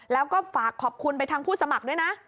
แล้วก็ฝากขอบคุณไปทางผู้สมัครด้วยนะ